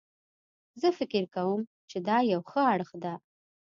زه فکر کوم چې دا یو ښه اړخ ده